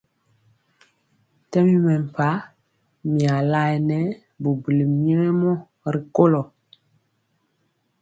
Tɛmi mɛmpah mia laɛnɛ bubuli nyɛmemɔ rikolo.